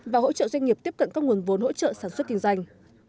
và hỗ trợ doanh nghiệp tiếp cận các nguồn vốn hỗ trợ sản xuất kinh doanh